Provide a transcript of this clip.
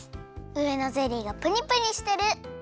うえのゼリーがプニプニしてる。